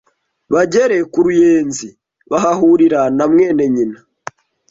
bagere ku Ruyenzi bahahurira na mwene nyina